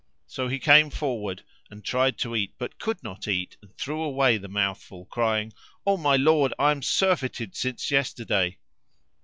So he came forward and tried to eat, but could not and threw away the mouthful crying "O my lord! I am surfeited since yesterday."